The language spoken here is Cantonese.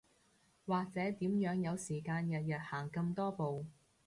或者點樣有時間日日行咁多步